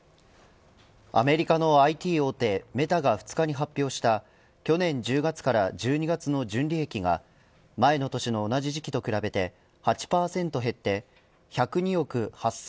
アメリカのＩＴ大手メタが２日に発表した去年１０月から１２月の純利益が前の年の同じ時期と比べて８％減って１０２億８５００万